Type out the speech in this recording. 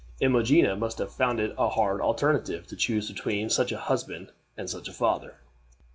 Imogena must have found it a hard alternative to choose between such a husband and such a father.